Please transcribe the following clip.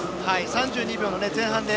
３２秒前半で。